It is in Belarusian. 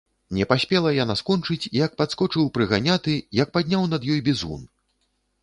Не паспела яна скончыць, як падскочыў прыганяты, як падняў над ёй бізун.